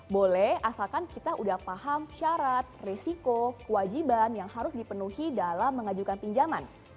boleh asalkan kita sudah paham syarat resiko kewajiban yang harus dipenuhi dalam mengajukan pinjaman